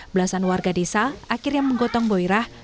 belasan warga desa akhirnya menggotong boyrah